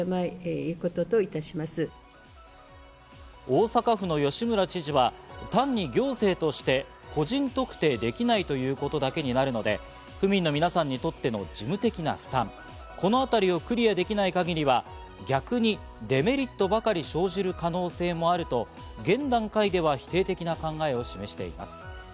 大阪府の吉村知事は、単に行政として個人特定できないということだけになるので、府民の皆さんにとっての事務的な負担、このあたりをクリアできない限りは逆にデメリットばかり生じる可能性もあると現段階では否定的な考えを示しました。